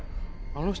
あの人？